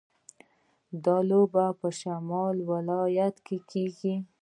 دا لوبه په شمالي ولایتونو کې کیږي.